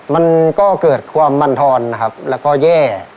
มันก็เกิดความมันทอนนะครับแล้วก็แย่